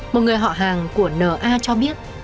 một người họ hàng của n a cho biết